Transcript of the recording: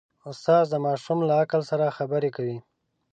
استاد د ماشوم له عقل سره خبرې کوي.